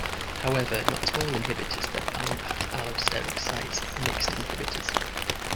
However, not all inhibitors that bind at allosteric sites are mixed inhibitors.